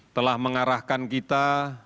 telah mengarahkan kita